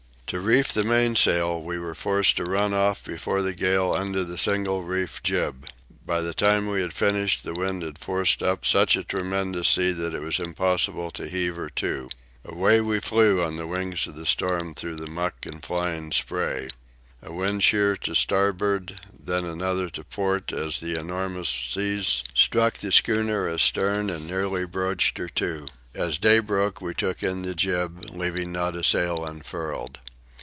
To reef the mainsail we were forced to run off before the gale under the single reefed jib. By the time we had finished the wind had forced up such a tremendous sea that it was impossible to heave her to. Away we flew on the wings of the storm through the muck and flying spray. A wind sheer to starboard, then another to port as the enormous seas struck the schooner astern and nearly broached her to. As day broke we took in the jib, leaving not a sail unfurled.